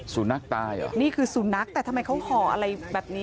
สุนัขตายเหรอนี่คือสุนัขแต่ทำไมเขาห่ออะไรแบบนี้